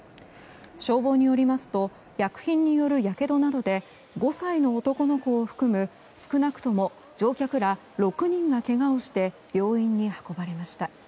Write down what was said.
消防によりますと薬品による、やけどなどで５歳の男の子を含む少なくとも乗客ら６人がけがをして病院に運ばれました。